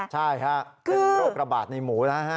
ใช่ฮะเป็นโรคระบาดในหมูนะฮะ